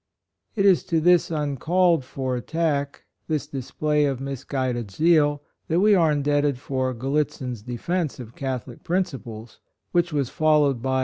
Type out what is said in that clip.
It is to this uncalled for attack — this display of mis guided zeal that we are indebted for "Gallitzin's Defence of Catholic Principles," which was followed by OF RELIGION.